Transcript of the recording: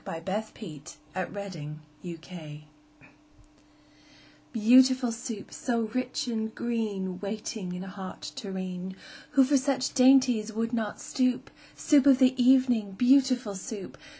] Lewis Carroll Beautiful Soup BEAUTIFUL Soup, so rich and green, Waiting in a hot tureen! Who for such dainties would not stoop? Soup of the evening, beautiful Soup!